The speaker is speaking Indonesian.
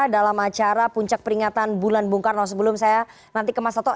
dalam acara puncak peringatan bulan bung karno sebelum saya nanti ke mas toto